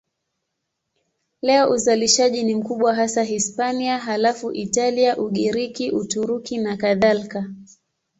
Leo uzalishaji ni mkubwa hasa Hispania, halafu Italia, Ugiriki, Uturuki nakadhalika.